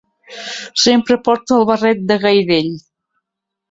Sempre porta el barret de gairell.